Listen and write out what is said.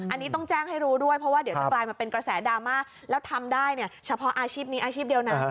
อันนี้ต้องแจ้งให้รู้ด้วยเพราะว่าเดี๋ยวจะกลายมาเป็นกระแสดราม่าแล้วทำได้เนี่ยเฉพาะอาชีพนี้อาชีพเดียวนะ